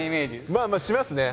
まあまあしますね。